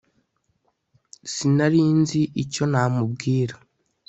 sinari nzi icyo namubwira